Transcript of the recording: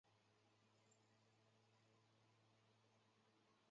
爱达荷州参议院是美国爱达荷州议会的上议院。